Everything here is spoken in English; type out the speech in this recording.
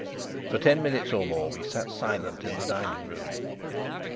For ten minutes or more we sat silent in the dining room.